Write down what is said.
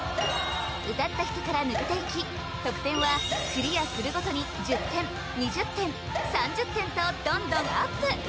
歌った人から抜けていき得点はクリアするごとに１０点２０点３０点とどんどんアップ！